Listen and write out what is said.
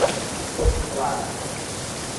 Potiraguá